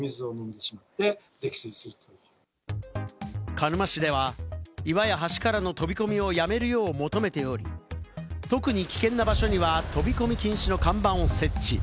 鹿沼市では、岩や橋からの飛び込みをやめるよう求めており、特に危険な場所では、「飛び込み禁止」の看板を設置。